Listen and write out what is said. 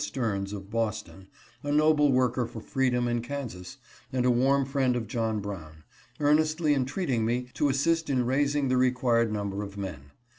Stearns of Boston, a noble worker for freedom in Kansas, and a warm friend of John Brown, earnestly entreating me to assist in raising the required number of men.